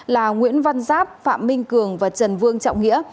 là nguyễn văn giáp phạm minh cường và trần vương trọng nghĩa